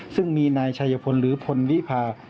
ซึ่งมีนายชัยพลหรือพลวิพา